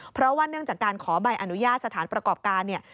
เพราะว่าเนื่องจากการขอใบอนุญาตสถานประกอบการเนี่ย